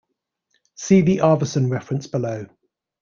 See the Arveson reference below.